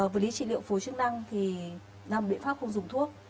vật lý trị liệu phù hợp chức năng thì làm biện pháp không dùng thuốc